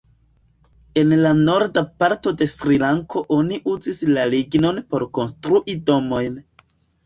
En la Norda parto de Srilanko oni uzis la lignon por konstrui domojn.